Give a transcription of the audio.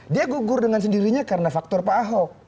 dia gugur dengan sendirinya karena faktor pak ahok